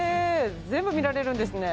全部見られるんですね。